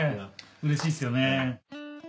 うれしいっすよね。